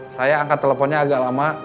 saya angkat teleponnya agak lama